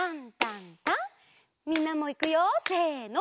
みんなもいくよせの。